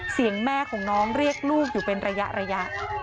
แม่ของน้องเรียกลูกอยู่เป็นระยะ